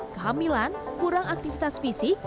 kehamilan kurang aktivitas fisik